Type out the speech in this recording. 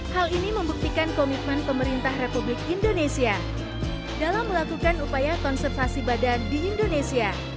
hal ini membuktikan komitmen pemerintah republik indonesia dalam melakukan upaya konservasi badan di indonesia